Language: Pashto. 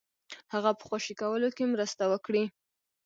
هغه په خوشي کولو کې مرسته وکړي.